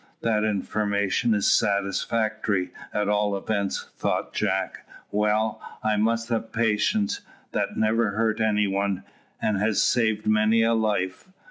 "That information is satisfactory, at all events," thought Jack. "Well, I must have patience; that never hurt any one, and has saved many a life.